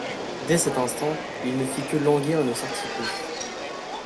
Dès cet instant il ne fit que languir et ne sortit plus.